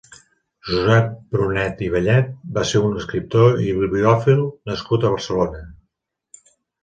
Josep Brunet i Bellet va ser un escriptor i bibliòfil nascut a Barcelona.